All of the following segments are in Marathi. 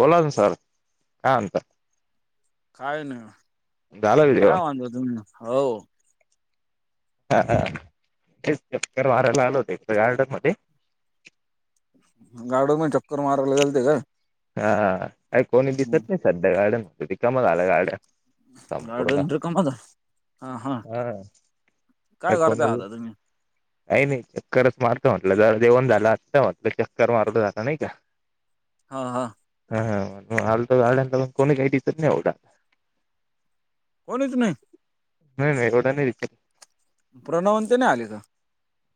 ओलादन सार हा अंत काय झालं नाही का काय जेवण माधता तुम्ही हो हा हा चकर मारायला आल होते गार्डन मध्ये गाडो मे चक्कर माराय लागलते काय हा कोणी दिसत नाही सध्या गार्डन कमाल आलं गार्ड संपूर्ण गार्डन रिकामच हा का काय कोण करताय आता तुम्ही नाही नाही चक्करच मारत म्हटलं जर जेवण झालं आत्ता म्हटलं चक्कर मारलं जाता नाही का हा हा हा हालल्या पण कोणी काही दि तर नाही एवढा कोणीच नाही नाही नाही एवड नाहीच प्रणवन ते नाही आले का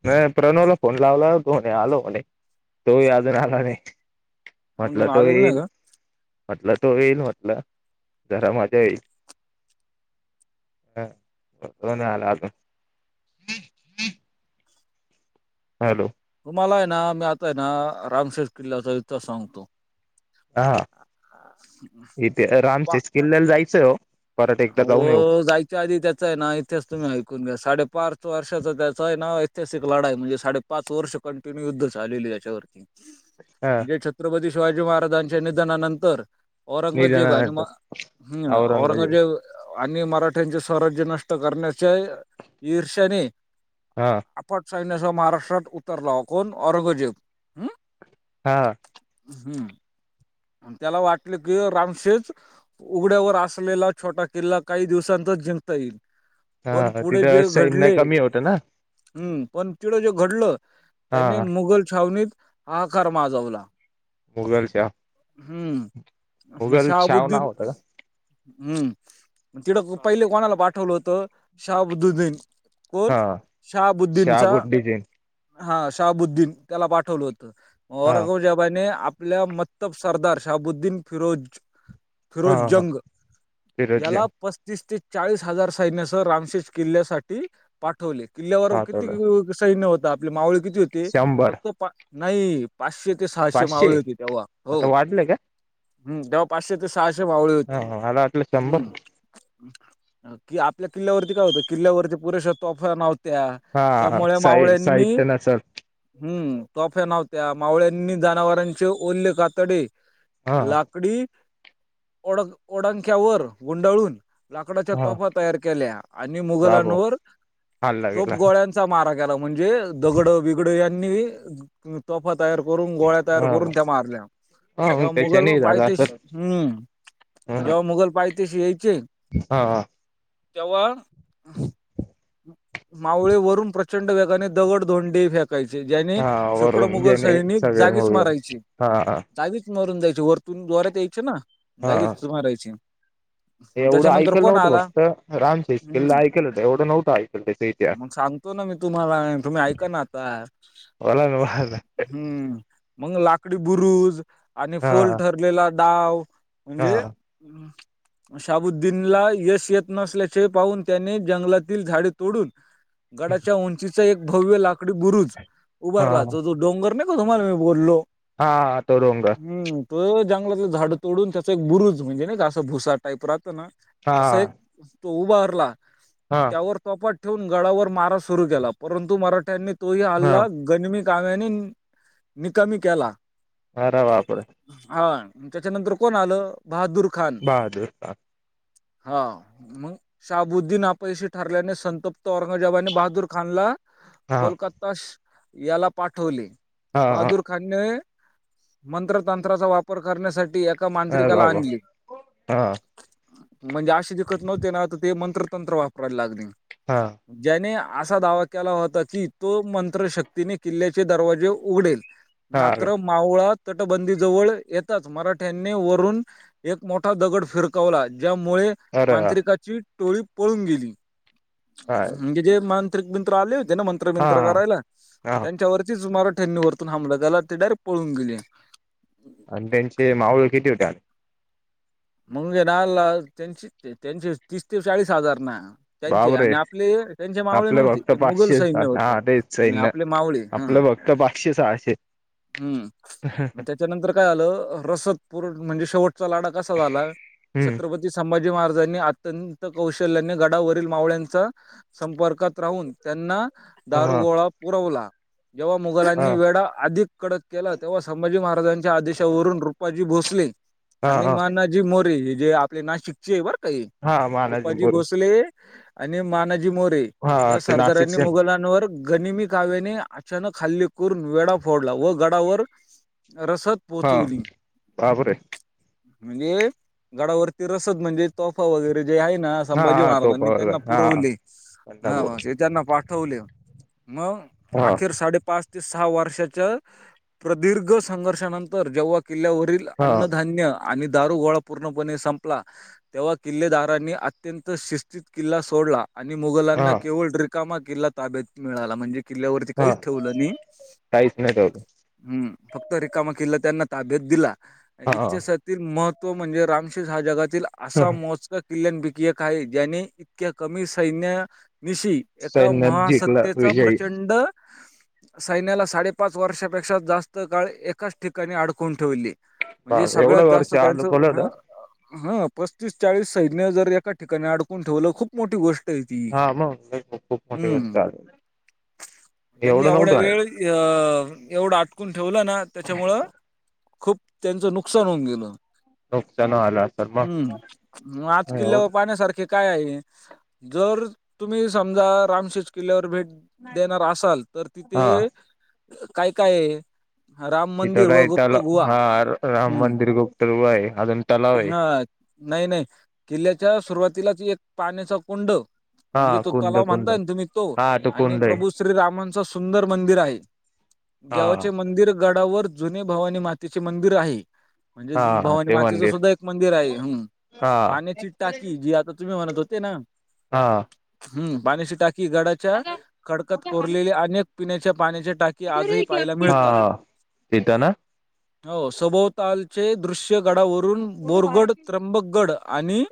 नाही प्रणवला फोन लावला होतोणे आलो होणे तोही अजून आला नाही आम्ही म्हटलं दोन तो आलेले नाही येईल का म्हटलं तो येईल म्हटलं जरा माझ्या येईल ह तोनलात हॅलो तुम्हाला आहे ना मी आता आहे ना रामशेर किल्ल्याचा इतिहास सांगतो हा इथे राम पा शेचकिल्ल्याला जायचंय हो परत एकदा जाऊन येऊ हो जायच आधी त्याचं आहे नाव इतिहास तुम्ही ऐकून घ्या साडे पाच वर्षाचा त्याचं आहे नाव ऐतिहासिक लढाई म्हणजे साडे पाच वर्ष कंटिन्यू युद्ध झालेली त्याच्यावरती हा म्हणजे छत्रपती शिवाजी महाराजांच्या निधनानंतर औरंगजेब निधनानंतर अनुमा हम् औरंग औरंगजेब आणि मराठ्यांचे स्वराज्य नष्ट करण्याच्या ईर्ष्याने हा आपट साैन्यासह महाराष्ट्रात उतरला कोण औरंगजेब हम हा हम्म आणि त्याला वाटलं की रामशेज उघड्यावर असलेला छोटा किल्ला काही दिवसांतच जिंकता येईल पण हा पुढे तिथं जे सैन्य घडले कमी होतं ना हम्म पण चिड जे घडलं हा त्याने मुघल छावणीत आाकार माजवला गूगलच्या हम्म म शाह शाहाबुद्दीन नाव होतं हम्म तिडं पहिले कोणाला पाठवलं होतं शाहाबुदुद्दीन का कोण? हा शहाबुद्दीनचा शहाबुद्दीन हा शाहाबुद्दीन त्याला पाठवलं होतं. हा औरगाजबाने आपल्या म सरदार शाबुद्दीन फिरोज हा हा फिरोजजंग फिरोजी याला प तीस ते चाळीस हजार सैन्यसह रामशेष किल्ल्यासाठी पाठवले किल्ल्यावर किती पाठवलं सैन्य होता आपले मावळे किती होते शंभर फक्त नाही, पाचशे ते सहाशे पाचशे मावळे होती तेव्हा. आता वाढलंय का? हम् जव्हा पाचशे ते सहाशे मावळे ह होती मला वाटलं शंभर हम्म. कि आपल्या किल्ल्यावरती काय होतं, किल्ल्यावरती पुरेशा तोफानावत त्या हा त्यामुळे साई मावळ्यांनी साहित्य नसल हम्म. तोफ्या नव्हत्या मावळ्यांनी जनावरांचे ओल्ले कातडे हा लाकडी ओ ओडख्यावर गुंडाळून लाकडाच्या हा तोफा तयार केल्या आणि बाबो मुघलांवर हल्ला तोप गेला गोळ्यां मारा केला म्हणजे दगड बगड यांनी तोफा तयार करून गोळ्या तयार ह करून त्या मारल्या. ह जेव्हा मुघल त्याच्याने झाला पाहते असल हम्म जेव्हा मुघल पाहतेशी यायचे. हा हा. तेव्हा मावळे वरून प्रचंड वेगाने दगड धोंडे फेकायचे. ज्याने हा शुकडो मुघल सैनिक जागीच मारायचे. हा हा. जागीच मारून जायची. वरतून जोरात यायचे ना? हा जागीच मारयचे. एवढं ऐकयला नव्हतं. फक्त राम हम्म सकल्ला ऐकल हों एवढं नव्हतं ऐकला. [unintelligible] मग सांगतो ना मी तुम्हाला. तुम्ही ऐका ना आता. वाला ना वा. हम्म मग लाकडी बुरुज आणि हा फोल ठरलेला डाव हा म्हणजे हम्. शाबुद्दीन ला यश येत नसल्याचे पाहून त्याने जंगलातील झाडे तोडून गडाच्या उंचीचा एक भव्य लाकडी बुरुज उभारला. हा जो जो डोंगरे का तुमल मी बोललो? हा तो डोंगर हम् त जंगलातलं झाड तोडून त्याचा एक बुरुज म्हणजे ना का असं भुसा टाईप राहतं ना? हा तस एक तो उभारला हा त्यावर तोपात ठेवून गळाावर मारा सुरू केला परंतु मराठ्यांनी तोही हा हल्ला गनिमी काव्यानेनिकामी केला. अरे बापरे. हा त्याच्यानंतर कोण आलं? बहादूर खान. बहादूर हा हा. मग शाबुद्दीन आपयशी ठरल्याने संतप्त औरंगजेबाने बहादूर खान ला कोलकात याला पाठवले हा हा बहादूर खानने. मंत्रतंत्राचा वापर करण्यासाठी एका अरे मांत्रिकाला बाबा आणली. हा म्हणजे असे दिखत नव्हते ना ते मंत्र तंत्र वापरायला लागले. हा. ज्याने असा दावा केला होता की, तो मंत्र शक्तीने किल्ल्याचे दरवाजे उघडेल. हा तरं मावळा तटबंदी जवळ येेतच मराठ्यांनी वरून एक मोठा दगड फिरकावला ज्यामुळे अरे हा मांत्रिकाची टोळी पळून गेली म्हणजे जे मांत्रिक मित्र आले होते ना मंत्र बिंत्र हा करायला हा त्यांच्यावरती च मराठ्यां नी हमला गला ते डायेक्ट पळून गेले. आणि त्यांचे माऊळ किती होते? मंगे ना त्यां त्यांश तीस ते चाळीस हजार ना. त्यांचे बापरे आणि आपले त्यांचे मावळे आपले नव्हते फक्त ते मुघल पाचशे सैन्य होत हा तेच आणि सैन्य आपले मावळे. आपलं फक्त पाचशे सहाशे. हूं म त्या त्याच्यानंतर काय आलं रसद पूर म्हणजे शेवटचा लाडा कसा झाला हम्म छत्रपत संभाजी महाराजांनी अत्यंत कौशल्याने गडावरील मावळ्यांचा संपर्कात राहून त्यांना हा हा दारुगोळा पुरवला, जेव्हा मुघलांनी वेढा अधिक कडक केला तेव्हा संभाजी महाराजांच्या आदेशावरून रुपाजी भोसले हा आणि हा माना जी मोरे हे जे आपले नाशिकचे आहे बरकां हे हा मानाजी रुपाजी मोरे भोसले आणि मानाजी मोरे हा या ते नाशिक सरदारांनी श मुघलांनवर गनिमी काव्याने अचानक हल्ले करून वेडा फोडला व गडावर रसद हा पोहोचवली काबरए म्हणजे गडावरती रसद म्हणजे, तोफा वगैरे जे आहे ना. हा संभाजी हा तो महाराजांनी त्यांना पावागर हा पुरवले कंदापूर आ स त्यांना पा ठवले मग हा अखेर साडेपाच ते सहा वर्षाच्या प्रदीर्घ संघर्षानंतर जेव्हा किल्ल्यावरील हा अन्नधान्य आणि दारू गोळा पूर्णपणे संपला. तेव्हा किल्लेदारांनी अत्यंत शिस्तीत किल्ला सोडला आणि हा मुघलांना केवळ रिकामा किल्ला ताब्यात मिळाला म्हणजे किल्ल्यावरती हा काहीच ठेवलं नही काहीच नाही ठेवलं हूं फक्त रिकामा किल्ला त्यांना ताब्यात दिला इतीस हा तील महत्त्व म्हणजे रामशेष हा जगातील असा मोजका किल्ल्यान पैकी एक आहे ज्याने इतक्या कमी सैन्या निशी एका सैन्यात जिंकला महासत्तेचा विजयी प्रचंड सैन्याला साडेपाच वर्षापेक्षा जास्त काळ एकाच ठिकाणी अडकून ठूवली. बाप एवढ गारी- असं त्यांचं हं पस्तीस चाळीस सैन्य जर एका ठिकाणी अडकून ठेवलं खूप मोठी गोष ट हे ती हा मग खूप मोठे वर्ष हूं आले त्यांनी एवढं एवढ नव्हतं आहे वेळ अ एवढं आटकून ठेवलं ना त्याच्यामुळं खूप त्यांचं नुकसान होऊन गेल हूं नुकसान आलं असेल मग म आज किल्ल्यावर एवढं पाहण्या सारखे काय आहे हे जर तुम्ही समजा रामशेष किल्ल्यावर भेट देणार असाल तर हा तिथे काय काय हे तिथं काय तला हा राम हम्म मंदिर गुप्तगुहा आहे अजून तलाव आहे हा नाही, नाही किल्ल्याच्या सुरुवातीलाच एक पाण्याचा कुंड हा म्हणजे तो कुंद तलाव कुंद म्हणताय तुम्ही तो हा आणि कुंद आहे प्रभू श्रीरामांच सुंदर मंदिर आहे, हा देवाचे मंदिर गडावर जुने भवानी मातेचे मंदिर आहे, म्हणजे हा भवानी ते माते तिचं मंदिर सुद्धा एक मंदिर आहे, हं हा पाण्याची टाकी जी आता तुम्ही म्हणत होते ना हा हा! हूं पाण्याची टाकी गडाच्या खडकांत कोरलेल्या अनेक पिण्याच्या पाण्याच्या टाक की आजही पाहायला हा मिळतात. तिथं ना हो सभोवतालचे दृश्य गडावरून बोरगड त्र्यंबकगड आणि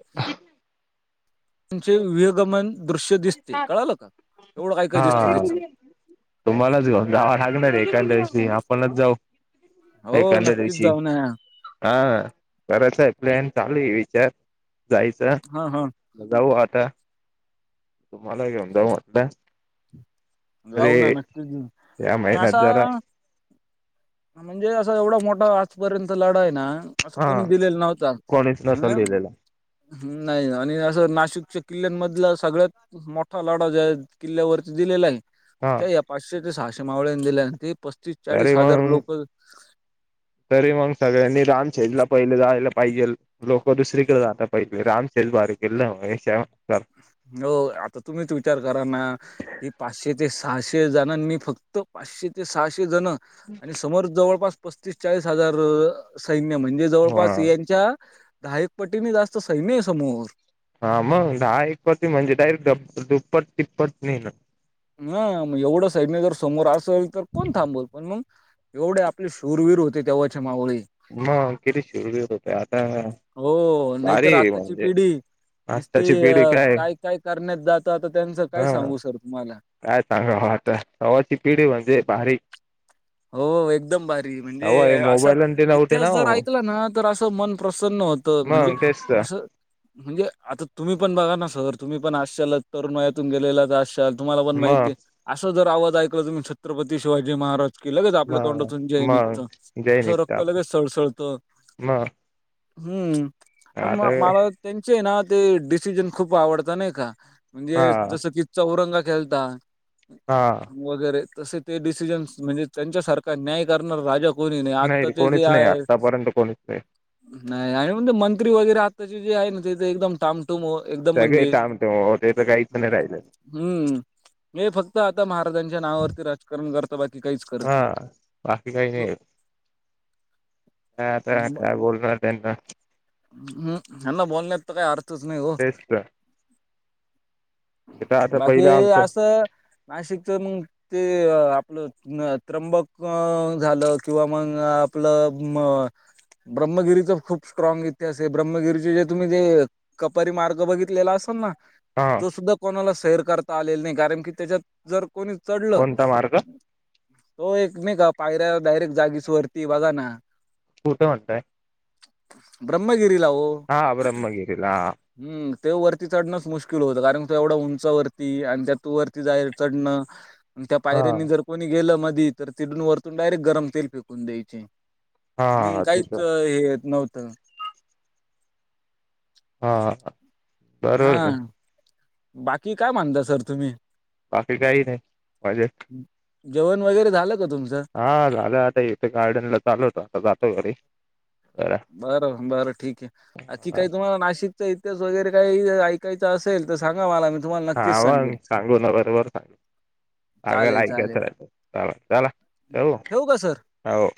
त्यांचे विहंगमन दृश्य दिसते कळालं का एवढं काय, काय हा दिसतं तिथ. तुम्हालाच घेऊन जावं लागणार आहे, एखाद्या दिवशी आपणच जाऊ. हो एकांद्या नक्कीच दिवशी जाऊ ना हा कराय चा आहे प्लॅन चालू हे विचार जायचा हां हां जाऊ आता तुम्हालागेऊ जात. जाऊ ना नक्की या महिन्यात असा. जरा म्हणजे असं एवढा मोठा आजपर्यंत लढा आहे ना. असं हा कोणी दिलेलं नव्हता कोणीच ह नसेल दिलेला हूं नाही आणि असं नाशिकच्या किल्ल्यांमधलं सगळ्यात मोठा लढा ज्या किल्ल्या वरती दिलेला ये. हा त्या या पाचशे ते सहाशे मावळ्यानी दिल्या ते पस्तीस चाळीस तरीे हजार मग लोक तरी मग सगळ्यांनी रामशेजला पहिले जायला पाहिजे. लोक दुसरीकडे जातात पहिले. रामशेज भारी किल्ला ये [unintelligible] हो आता तुम्हीच विचार करा ना ही पाचशे ते सहाशे जणांनी फक्त पाचशे ते सहाशे जण आणि समोर जवळपास पस्तीस चाळीस हजार सैन्य म्हणजे जवळपास यांच्या ायक पट्टीने जास्त सैम आहे समोर हा मग दहा एकती म्हणजे डायरेक्टप दुप्पट टिप्पट नाहीे ना. ह मग एवढं सैन जर समोर असेल तर कोण थांबवल पण मग एवढे आपले शूरवीर होते तेव्हाच्या मावळी मग किती शिर घेत होते आता हो नाही तरर भारी आत्ताची म्हणजे पिढी नसत आत्ताची पिढी काय काय करण्यात जात आता त्यांचं काय हा सांगू सर तुम्हाला काय सांगावा आता तव्हाची पिढी म्हणजे भारी. हो एकदम भारी म्हणजे तवा हे असं मोबाईल आणि ते नव्हते इतिहास ना जर ओ ऐकला ना तर असं मन प्रसन्न होतं. म्हणजे मग तेच तर असं म्हणजे आता तुम्ही पण बघा ना सर तुम्ही पण अशा तरुण वयातून गेलेला तर अशा तुम्हाला पण मग माहितीे असं जर आवाज ऐकला तुम्ही छत्रपती शिवाजी महाराज की लगेच आपल्या मग तोंडातून जय मग निघत जय असं रक्त निघताप लगेच सळसळत. मग हम्म आणि आता म मला त्यांचे ना ते डिसिजन खूप आवडता नाही का? हा म्हणजे जस की चौरंग खेळता. हा. वगैरे तसे ते डिसिजन्स म्हणजे त्यांच्या सारख न्याय करणारा राजा कोणी नाही. आत्ता रे जे कोणीच नाही आहे. आतापर्यंत कोणीच नाही नाही आणि म्हण मंत्री वगैरे आत्ताचे जे आहे ना ते एकदम टाम [unintelligible] एकदम. सगळे म्हणजे टामटूम ते तर काहीच नाही राहिलं. हम्म हे फक्त आता महाराजांच्या नावावरती राजकारण करत बाकी काहीच करत नाही. हा बाकी काही हो, नाही. काय आता म- काय बोलणार? त्यांना. हम्म. ह्यांना बोलण्यात तर काही अर्थच नाही हो. तेच तर इथं आता बाकी पहिलं आमचं असं नाशिकच मग ते आपलं त्र्यंबक अ झालं किंवा मग आपलं अ ब्रह्मगिरीच खूप स्ट्रॉग ते असे ब्रह्मगिरीचे जे तुम्ही जे कपारी मार्ग बघितलेला असेल ना हां. तो सुद्धा कोणाला सैर करता आलेल नाही कारण की त्याच्यात जर कोणी चढलं कोणता मार्ग तो एक नाहीे का पायऱ्या डायरेक्ट जागीच वरती बघा ना कुठं म्हणताय? ब्रह्मगिरीला ओ. हा ब्रम्हगिरीला. हम्म ते वरती चढणंच मुश्किल होतं कारण तू एवढं उंचा वरती आणि त्या तू वरती जायला चढणं. त्या हा पायरीनी जर कोणी गेलं मधी तर तिकडून वरतून डायरेक्ट गरम तेल फेकून द्यायचे. हम, हा काहीच तिथं हे येत नव्हतं हा. हा बरोबर ना बाकी काय म्हणता सर तुम्ही? बाकी काही नाही माजे जेवण वगैरे झालं का तुमचं हा झालं आता इथे गार्डन ला चालू होत आता जातो घरी बरा बरं बरं ठीक आहेखी काही तुम्हाला नाशिकचा इतिहास वगैरे काही ऐकायचा अस हावा सांगू ना बरोबर सांगू अग चालेल, चालेल. ऐकायचला चला चऊ ठेवू का सर? हो